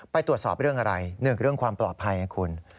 ไปตรวจสอบเรื่องอะไร๑เรื่องความปลอดภัยนะคุณ